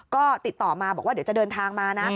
ก็ติดต่อมาบอกว่าเดี๋ยวจะเดินทางมานะ